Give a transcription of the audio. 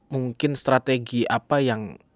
mungkin strategi apa yang